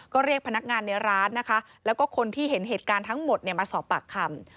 ก็เรียกพนักงานในร้านนะคะแล้วก็คนที่เห็นเหตุการณ์ทั้งหมดมาสอบปากคำ